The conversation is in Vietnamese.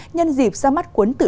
nhân dịp ra mắt cuốn tựa